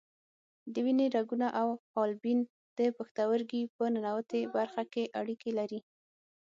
د وینې رګونه او حالبین د پښتورګي په ننوتي برخه کې اړیکې لري.